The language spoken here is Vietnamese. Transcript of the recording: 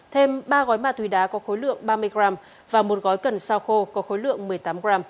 thêm ba gói ma túy đá có khối lượng ba mươi g và một gói cần sao khô có khối lượng một mươi tám g